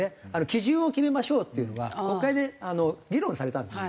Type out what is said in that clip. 基準を決めましょうっていうのが国会で議論されたんです。